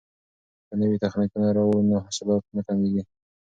که نوي تخنیکونه راوړو نو حاصلات نه کمیږي.